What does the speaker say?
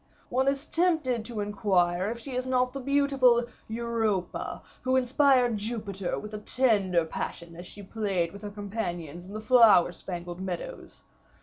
One is tempted to inquire if she is not the beautiful Europa, who inspired Jupiter with a tender passion as she played with her companions in the flower spangled meadows.